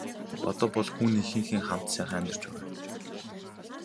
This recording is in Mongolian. Одоо бол хүү нь эхийнхээ хамт сайхан амьдарч байгаа.